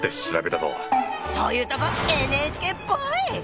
そういうとこＮＨＫっぽい。